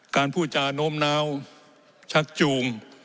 การพูดจานโน้มนาวชักจูง